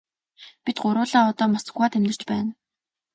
Бид гурвуулаа одоо Москвад амьдарч байна.